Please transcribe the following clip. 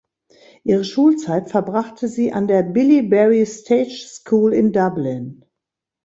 Ihre Schulzeit verbrachte sie an der Billie Barry Stage School in Dublin.